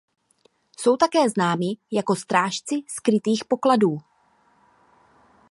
Jsou také známi jako strážci skrytých pokladů.